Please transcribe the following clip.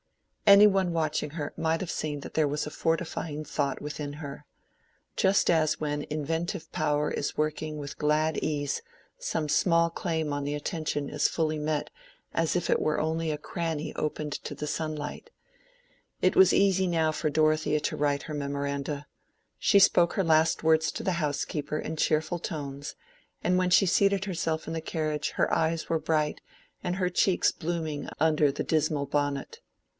Any one watching her might have seen that there was a fortifying thought within her. Just as when inventive power is working with glad ease some small claim on the attention is fully met as if it were only a cranny opened to the sunlight, it was easy now for Dorothea to write her memoranda. She spoke her last words to the housekeeper in cheerful tones, and when she seated herself in the carriage her eyes were bright and her cheeks blooming under the dismal bonnet.